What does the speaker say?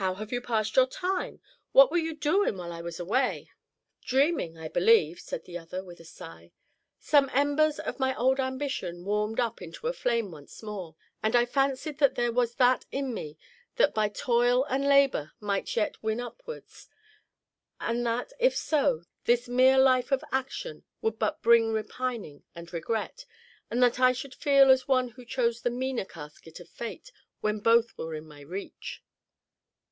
"How have you passed your time? What were you doin' while I was away?" "Dreaming, I believe," said the other, with a sigh. "Some embers of my old ambition warmed up into a flame once more, and I fancied that there was that in me that by toil and labor might yet win upwards; and that, if so, this mere life of action would but bring repining and regret, and that I should feel as one who chose the meaner casket of fate, when both were within my reach."